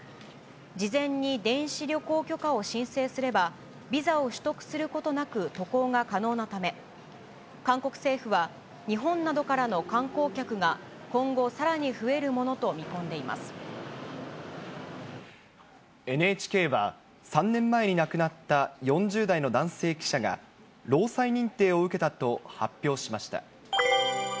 事前に電子旅行許可を申請すれば、ビザを取得することなく渡航が可能なため、韓国政府は、日本などからの観光客が、今後、さらに増えるものと見込んでいまＮＨＫは、３年前に亡くなった４０代の男性記者が労災認定を受けたと発表しました。